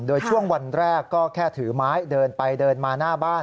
โดยช่วงวันแรกก็แค่ถือไม้เดินไปเดินมาหน้าบ้าน